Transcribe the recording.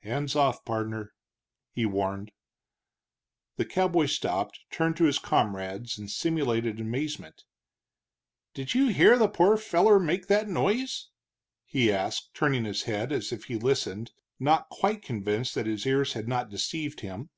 "Hands off, pardner!" he warned. The cowboy stopped, turned to his comrades in simulated amazement. "Did you hear the pore feller make that noise?" he asked, turning his head as if he listened, not quite convinced that his ears had not deceived him.